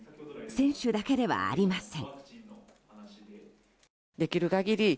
選手だけではありません。